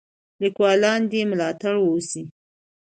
لیکوالان دې ملاتړ وسي.